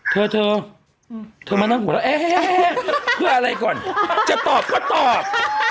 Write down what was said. เธอมานั่งหัวแล้วเพื่ออะไรก่อนจะตอบก็ตอบ